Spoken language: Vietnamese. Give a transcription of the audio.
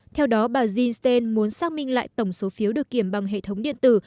theo đó bà jean stein muốn xác minh lại tổng số phiếu được kiểm bằng hệ thống điện tử